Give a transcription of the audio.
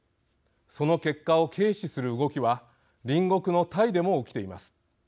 その結果を軽視する動きは隣国のタイでも起きています。